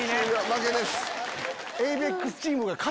負けです。